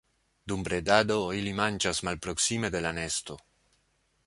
Dum bredado ili manĝas malproksime de la nesto.